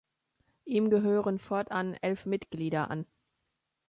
Ihm gehören fortan elf Mitglieder an.